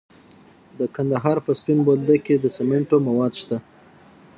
د کندهار په سپین بولدک کې د سمنټو مواد شته.